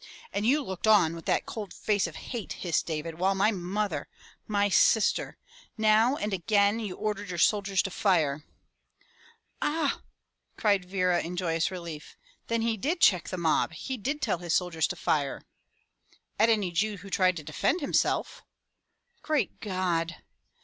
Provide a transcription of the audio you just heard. "And you looked on with that cold face of hate!" hissed David, "while my mother — my sister —. Now and again you ordered your soldiers to fire!" "Ah!" cried Vera in joyous relief. "Then he did check the mob. He did tell his soldiers to fire!" "At any Jew who tried to defend himself!" "Great God!"